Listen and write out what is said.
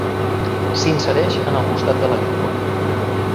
S'insereix en el costat de la llengua.